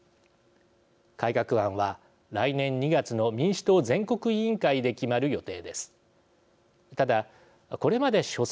改革案は、来年２月の民主党全国委員会で決まる予定です。